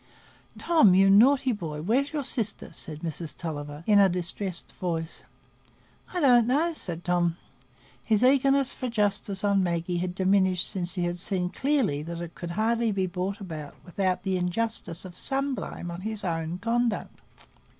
"Tom, you naughty boy, where's your sister?" said Mrs Tulliver, in a distressed voice. "I don't know," said Tom; his eagerness for justice on Maggie had diminished since he had seen clearly that it could hardly be brought about without the injustice of some blame on his own conduct.